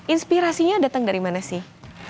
inspirasinya datang dari mana sih